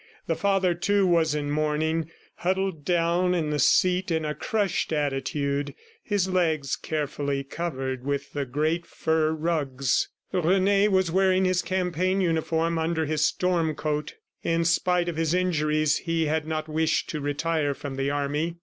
The father, too, was in mourning, huddled down in the seat in a crushed attitude, his legs carefully covered with the great fur rugs. Rene was wearing his campaign uniform under his storm coat. In spite of his injuries, he had not wished to retire from the army.